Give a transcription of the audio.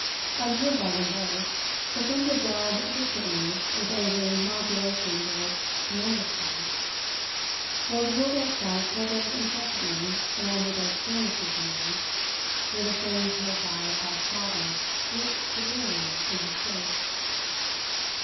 Unheard by them both, the thunder growled distantly with angry modulations of it's tremendous voice, while the world outside shuddered incessantly around the dead stillness of the room where the framed profile of Heyst's father looked severely into space.